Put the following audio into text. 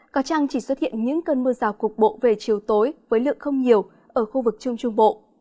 có trăng chỉ xuất hiện những cơn mưa rào cục bộ về chiều tối với lượng không nhiều ở khu vực trung trung bộ